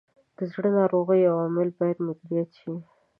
د زړه ناروغیو عوامل باید مدیریت شي.